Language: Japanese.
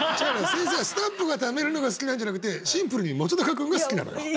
先生はスタンプを貯めるのが好きなんじゃなくてシンプルに本君が好きなのよ。